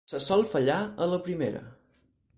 Se sol fallar a la primera.